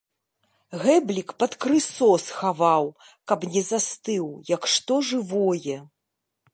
Гэблік пад крысо схаваў, каб не застыў, як што жывое.